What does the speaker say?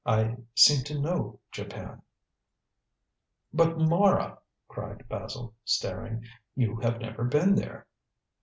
"I seem to know Japan." "But, Mara," cried Basil, staring, "you have never been there!"